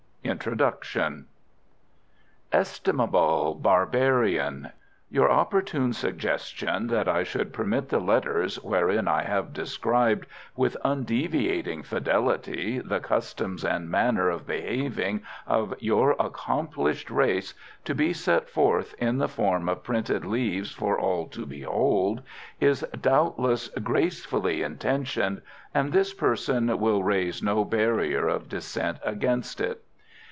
INTRODUCTION Estimable barbarian, Your opportune suggestion that I should permit the letters, wherein I have described with undeviating fidelity the customs and manner of behaving of your accomplished race, to be set forth in the form of printed leaves for all to behold, is doubtless gracefully intentioned, and this person will raise no barrier of dissent against it.